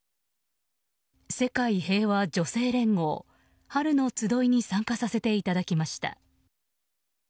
世界平和女性連合春のつどいに参加させていただきました。